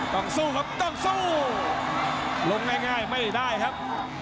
ต้องสู้ครับต้องสู้ล้มง่ายไม่ได้ครับ